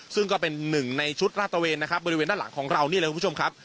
ซึ่งก็เป็นหนึ่งในชุดราตเวนนะครับบริเวณด้านหลังของเรานี่แหละคุณผู้ชมครับ